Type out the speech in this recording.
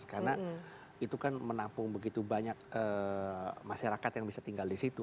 karena itu kan menampung begitu banyak masyarakat yang bisa tinggal di situ